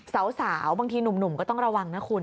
สาวบางทีหนุ่มก็ต้องระวังนะคุณ